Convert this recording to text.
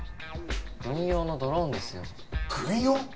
軍用のドローンですよ軍用？